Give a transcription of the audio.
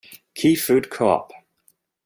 Key Food Coop.